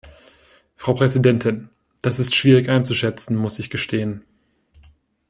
Frau Präsidentin! Das ist schwierig einzuschätzen, muss ich gestehen.